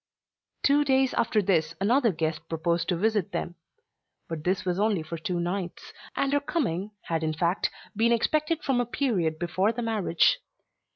Two days after this another guest proposed to visit them. But this was only for two nights, and her coming had in fact been expected from a period before the marriage.